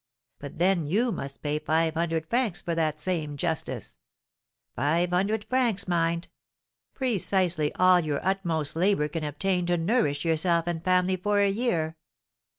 But then you must pay five hundred francs for that same justice, five hundred francs, mind; precisely all your utmost labour can obtain to nourish yourself and family for a year.